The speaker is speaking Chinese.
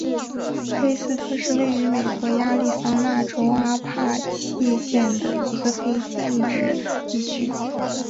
菲斯特是位于美国亚利桑那州阿帕契县的一个非建制地区。